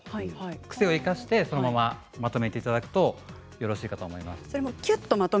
癖を生かしてまとめていただくとよろしいかと思います。